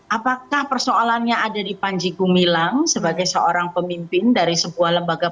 apakah persoalannya ada di panji gumilang sebagai seorang pemimpin dari sebuah lembaga